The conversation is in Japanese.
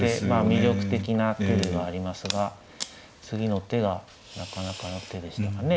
魅力的な手ではありますが次の手がなかなかの手でしたかね。